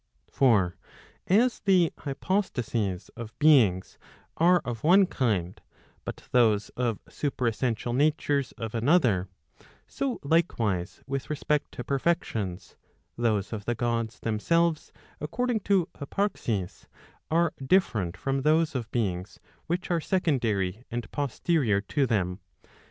For as the hypostases of beings are of one kind, but those of super¬ essential natures of another, so likewise with respect to perfections, those of the Gods themselves according to hyparxis, are different from those of beings, which are secondary and posterior to them.